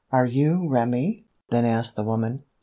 "Are you Remi?" then asked the woman.